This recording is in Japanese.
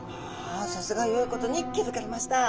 あさすがよいことに気付かれました。